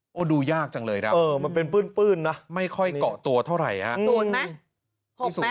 โหดูยากจังเลยนะไม่ค่อยกล่อตัวเท่าไรอ่ะมันเป็นผึ้นนะสูนมั้ย